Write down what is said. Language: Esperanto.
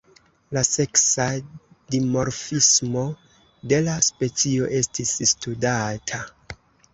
La seksa dimorfismo de la specio estis studata.